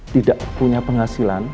tidak punya penghasilan